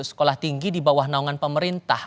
sekolah tinggi di bawah naungan pemerintah